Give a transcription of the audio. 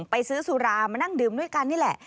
ไปซื้อสุรามานั่งดื่มด้วยกันนี่แหละ